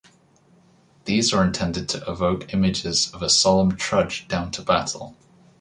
These are intended to evoke images of a solemn trudge down to battle.